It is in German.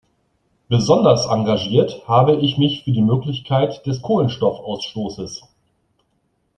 Besonders engagiert habe ich mich für die Möglichkeit des Kohlenstoffausstoßes.